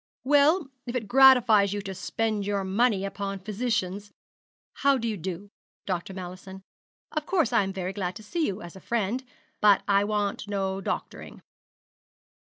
'Well, if it gratifies you to spend your money upon physicians How do you do, Dr. Mallison? Of course, I am very glad to see you, as a friend; but I want no doctoring.'